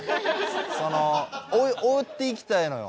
その追っていきたいのよ。